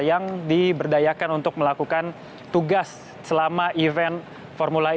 yang diberdayakan untuk melakukan tugas selama event formula e